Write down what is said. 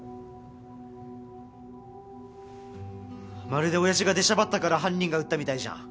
まるで親父が出しゃばったから犯人が撃ったみたいじゃん！